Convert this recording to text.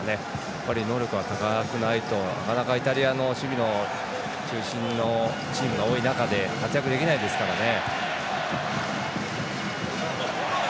やっぱり、能力は高くないとなかなかイタリアの守備の中心のチームが多い中で活躍できないですからね。